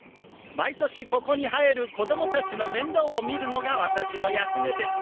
毎年ここに生える子供たちの面倒を見るのがワタシの役目です。